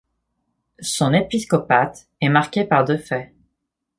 Son épiscopat est marque par deux faits.